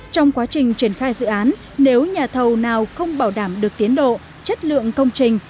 trong quá trình triển khai dự án nếu nhà thầu nào không bảo đảm được tiến độ chất lượng công trình